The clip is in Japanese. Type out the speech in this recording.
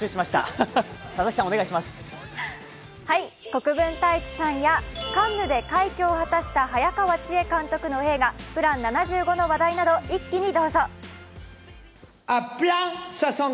国分太一さんやカンヌで快挙を果たした早川千絵監督の映画「ＰＬＡＮ７５」の話題など一気にどうぞ。